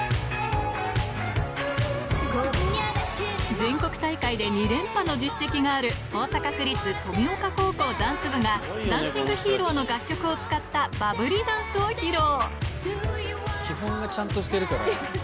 全国大会で２連覇の実績がある、大阪府立登美丘高校ダンス部がダンシング・ヒーローの楽曲を使っ基本がちゃんとしてるから。